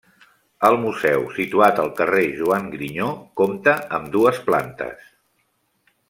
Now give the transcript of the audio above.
El museu, situat al carrer Joan Grinyó, compta amb dues plantes.